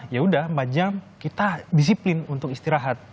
ya udah empat jam kita disiplin untuk istirahat